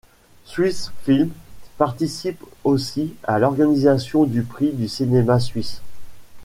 Swiss Films participe aussi à l'organisation du Prix du cinéma suisse.